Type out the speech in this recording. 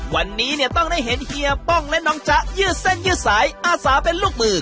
วันนี้เนี่ยต้องได้เห็นเฮียป้องและน้องจ๊ะยืดเส้นยืดสายอาสาเป็นลูกมือ